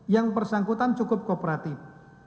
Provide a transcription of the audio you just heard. yang bersangkutan cukup kooperatif